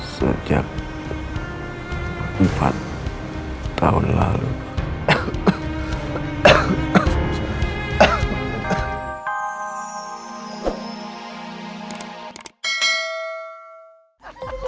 sejak empat tahun lalu